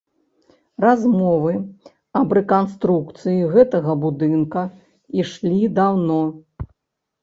Размовы аб рэканструкцыі гэтага будынка ішлі даўно.